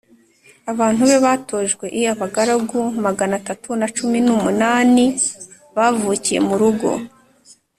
Abantu be batojwe l abagaragu magana atatu na cumi n umunani bavukiye mu rugo